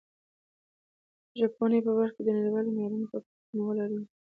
د ژبپوهنې په برخه کې د نړیوالو معیارونو په پام کې نیول اړین دي.